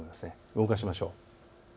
動かしましょう。